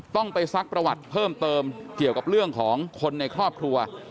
ต้องไปซักประวัติเพิ่มเติมเกี่ยวกับเรื่องของคนในครอบครัว